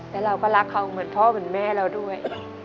แล้วเราก็รักเขาเหมือนพ่อเหมือนแม่เราด้วย